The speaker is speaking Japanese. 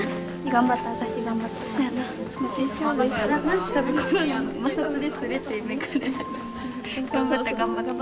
頑張った頑張った。